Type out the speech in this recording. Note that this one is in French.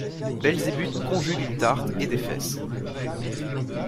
Belzébuth conjugue une tarte et des fesses.